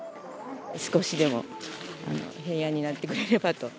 少しでも平和になってくれればと。